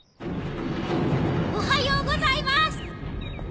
おはようございます！